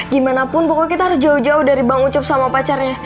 gimanapun pokoknya kita harus jauh jauh dari bang ucup sama pacarnya